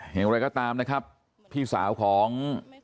อย่างไรก็ตามนะครับพี่สาวของ